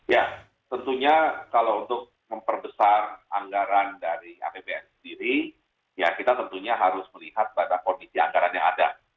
ya tentunya kalau untuk memperbesar anggaran dari apbn sendiri ya kita tentunya harus melihat pada kondisi anggaran yang ada